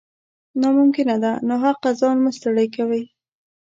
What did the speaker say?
نا ممکنه ده ، ناحقه ځان مه ستړی کوه